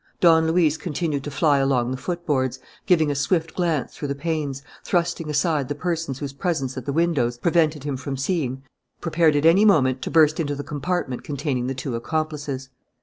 Don Luis continued to fly along the footboards, giving a swift glance through the panes, thrusting aside the persons whose presence at the windows prevented him from seeing, prepared at any moment to burst into the compartment containing the two accomplices.